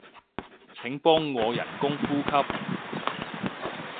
請幫我人工呼吸